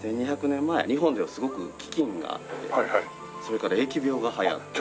１２００年前日本ではすごく飢饉があってそれから疫病が流行って。